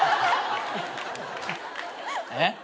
えっ？